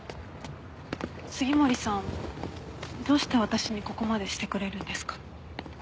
杉森さんどうして私にここまでしてくれるんですか？